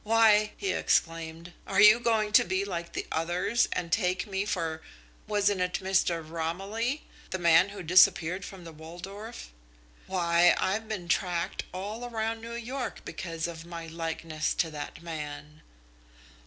"Why," he exclaimed, "are you going to be like the others and take me for wasn't it Mr. Romilly? the man who disappeared from the Waldorf? Why, I've been tracked all round New York because of my likeness to that man."